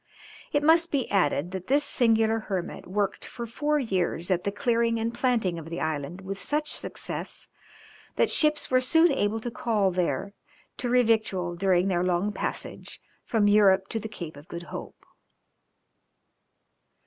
It must be added that this singular hermit worked for four years at the clearing and planting of the island with such success, that ships were soon able to call there to revictual during their long passage from Europe to the Cape of Good Hope.